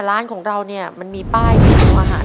ร้านของเรานี่มันมีป้ายเมนูอาหาร